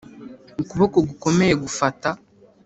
ukuboko gukomeye gufata